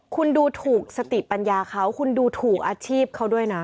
คุณดูถูกสติปัญญาเขาคุณดูถูกอาชีพเขาด้วยนะ